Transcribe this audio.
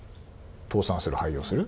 倒産する、廃業する。